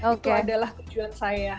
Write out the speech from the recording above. itu adalah tujuan saya